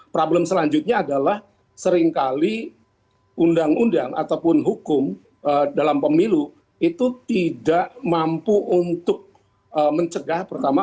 problem selanjutnya adalah seringkali undang undang ataupun hukum dalam pemilu itu tidak mampu untuk mencegah pertama